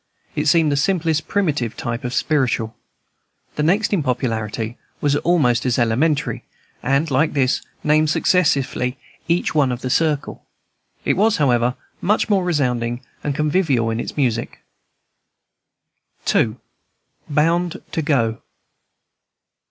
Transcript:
It seemed the simplest primitive type of "spiritual." The next in popularity was almost as elementary, and, like this, named successively each one of the circle. It was, however, much more resounding and convivial in its music. II. BOUND TO GO.